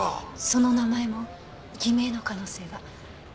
その名前も偽名の可能性が。